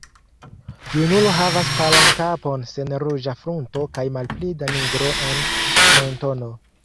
Junulo havas palan kapon sen ruĝa frunto kaj malpli da nigro en mentono.